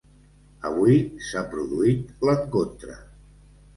Avui s’ha produït l’encontre.